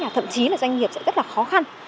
thậm chí là doanh nghiệp sẽ rất là khó khăn